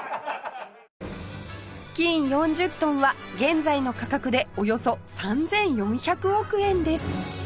金４０トンは現在の価格でおよそ３４００億円です